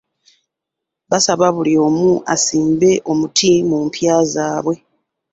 Baasaba buli omu asimbe omuti mu mpya zaabwe.